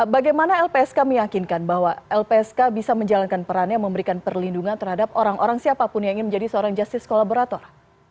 bagaimana lpsk meyakinkan bahwa lpsk bisa menjalankan perannya memberikan perlindungan terhadap orang orang siapapun yang ingin menjadi seorang justice kolaborator